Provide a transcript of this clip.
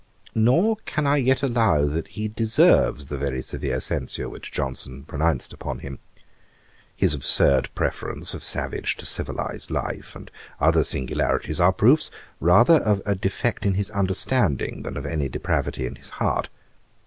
Nor can I yet allow that he deserves the very severe censure which Johnson pronounced upon him. His absurd preference of savage to civilised life, and other singularities, are proofs rather of a defect in his understanding, than of any depravity in his heart.